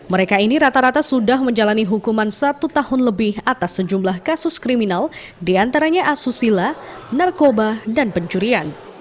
mereka ini rata rata sudah menjalani hukuman satu tahun lebih atas sejumlah kasus kriminal diantaranya asusila narkoba dan pencurian